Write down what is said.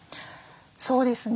そうですね。